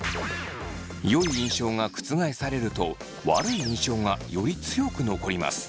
よい印象が覆されると悪い印象がより強く残ります。